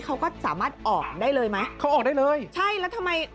เขาก็สามารถออกได้เลยไหมเขาออกได้เลยใช่แล้วทำไม